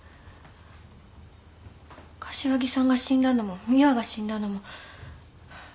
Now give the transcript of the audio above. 柏木さんが死んだのも美羽が死んだのもあなたなの？